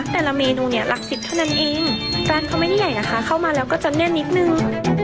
แต่ละเมนูเนี่ยหลักสิบเท่านั้นเองร้านเขาไม่ได้ใหญ่นะคะเข้ามาแล้วก็จะแน่นนิดนึง